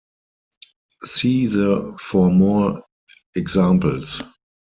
See the for more examples.